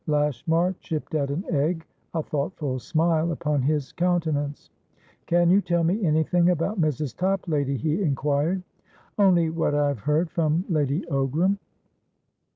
Lashmar chipped at an egg, a thoughtful smile upon his countenance. "Can you tell me anything about Mrs. Toplady?" he inquired. "Only what I have heard from Lady Ogram."